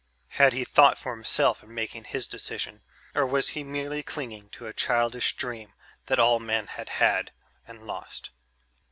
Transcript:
Had he thought for himself in making his decision, or was he merely clinging to a childish dream that all men had had and lost?